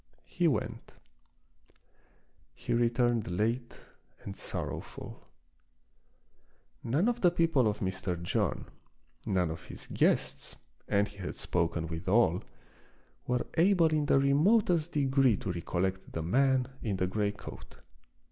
He went. He returned late and sorrowful. None of the people of Mr. John, none of his guests, and he had spoken with all, were able in the remotest degree to recollect the man in the gray coat.